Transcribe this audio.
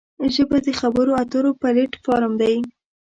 ژبه د خبرو اترو پلیټ فارم دی